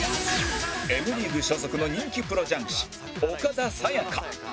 Ｍ リーグ所属の人気プロ雀士岡田紗佳